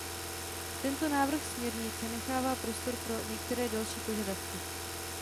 Tento návrh směrnice nechává prostor pro některé další požadavky.